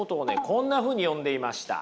こんなふうに呼んでいました。